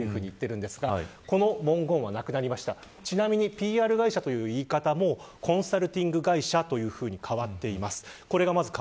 ＰＲ会社という言い方もコンサルティング会社というふうに変わっています。